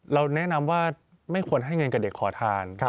เราแนะนำว่าไม่ควรให้เงินกับเด็กขอทาน